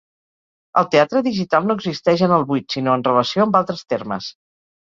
El teatre digital no existeix en el buit sinó en relació amb altres termes.